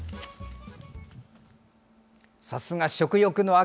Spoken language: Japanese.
さすが食欲の秋！